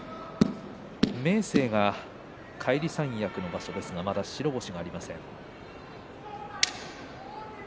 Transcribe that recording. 明生が返り三役の場所ですがまだ白星がありません。